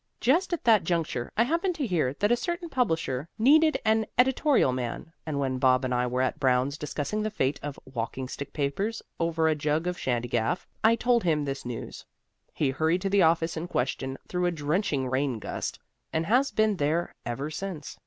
Just at that juncture I happened to hear that a certain publisher needed an editorial man, and when Bob and I were at Browne's discussing the fate of "Walking Stick Papers" over a jug of shandygaff, I told him this news. He hurried to the office in question through a drenching rain gust, and has been there ever since.